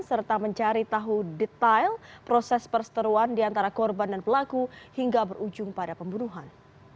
serta mencari tahu detail proses perseteruan di antara korban dan pelaku hingga berujung pada pembunuhan